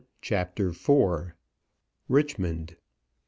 CHAPTER IV. RICHMOND.